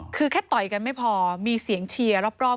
คือแค่ต่อยกันไม่พอมีเสียงเชียร์รอบ